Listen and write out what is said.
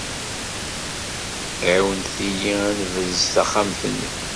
Ɛiwnet-iyi ad nebrez taxxamt-nni.